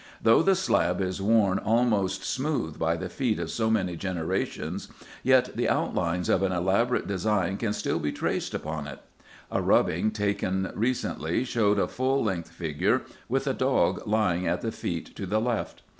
Though the slab is worn almost smooth by the feet of so many generations, yet the outlines of an elaborate design can still be traced upon it. A rubbing taken recently showed a full length figure, with a dog lying at the feet to the left.